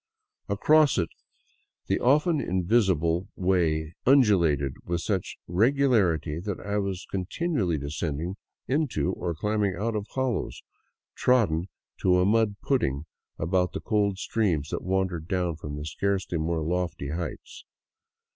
Across it the often invisible way undulated with such regu larity that I was continually descending into or climbing out of hollows trodden to a mud pudding about the cold streams that wandered own from the scarcely more lofty heights.